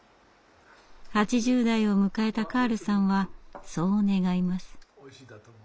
８０代を迎えたカールさんはそう願います。